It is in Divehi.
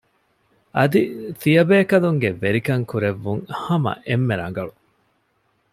އަދި ތިޔަބޭކަލުންގެ ވެރިކަން ކުރެއްވުން ހަމަ އެންމެ ރަނގަޅު